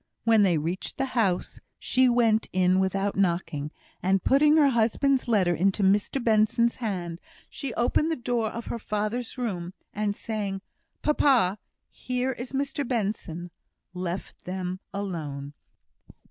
When they reached the house, she went in without knocking, and putting her husband's letter into Mr Benson's hand, she opened the door of her father's room, and saying "Papa, here is Mr Benson," left them alone.